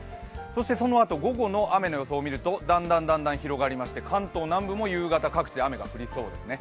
そのあと午後の雨の予想を見ると、だんだん広がりまして、関東南部も夕方各地で雨が降りそうですね。